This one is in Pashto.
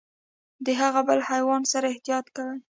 د هغه بل حیوان سره احتياط کوئ .